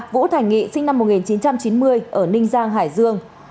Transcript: vũ thành nghị sinh năm một nghìn chín trăm chín mươi ở ninh giang hải dương